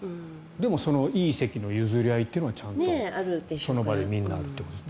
でも、いい席の譲り合いというのがその場でみんなあるということです。